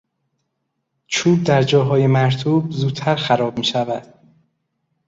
چوب در جاهای مرطوب زودتر خراب میشود.